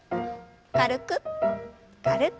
軽く軽く。